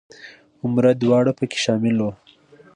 عمره دواړه په کې شامل وو.